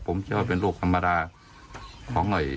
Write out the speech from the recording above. ผมเชื่อว่าเป็นโรคธรรมดาของ